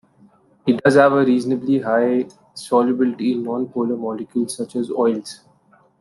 It does have a reasonably high solubility in non-polar molecules such as oils.